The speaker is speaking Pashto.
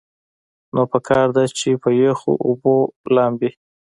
نو پکار ده چې پۀ يخو اوبو لامبي -